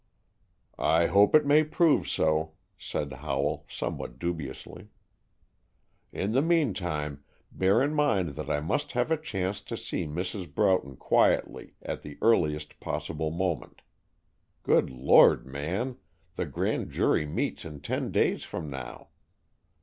"I hope it may prove so," said Howell, somewhat dubiously. "In the meantime, bear in mind that I must have a chance to see Mrs. Broughton quietly at the earliest possible moment. Good Lord, man, the Grand Jury meets in ten days from now.